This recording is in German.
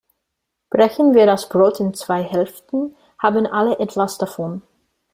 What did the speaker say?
Brechen wir das Brot in zwei Hälften, haben alle etwas davon.